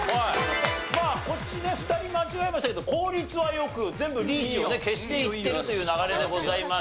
まあこっちね２人間違えましたけど効率は良く全部リーチを消していってるという流れでございまして。